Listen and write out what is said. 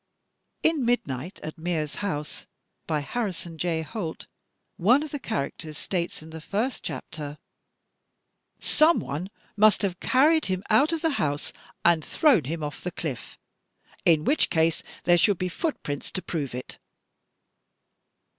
In "Midnight at Mears House," by Harrison J. Holt, one of the characters states in the first chapter, "some one must have carried him out of the house and thrown him over the cliff; in which case there should be footprints to prove it."